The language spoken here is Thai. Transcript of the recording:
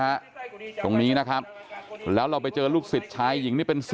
ตรงนี้นะครับแล้วเราไปเจอลูกศิษย์ชายหญิงนี่เป็น๑๐